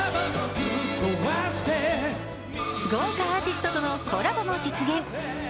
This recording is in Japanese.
豪華アーティストとのコラボも実現。